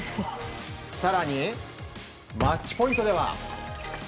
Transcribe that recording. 更に、マッチポイントでは。